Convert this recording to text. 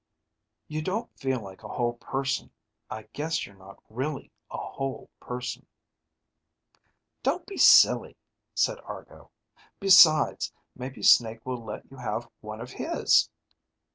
"You don't feel like a whole person. I guess you're not really a whole person." "Don't be silly," said Argo. "Besides, maybe Snake will let you have one of his.